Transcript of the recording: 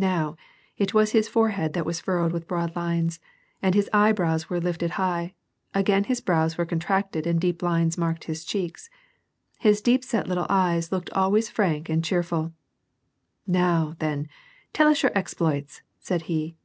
Now, it was his foreheiul that was furrowed with broairl lines and his eyebrows were lifted high, again his brows were con tracted and deep lines marked his cheeks. His deep set little eyes looked always frank and cheerful. " Now, then, tell us your exploits," said he.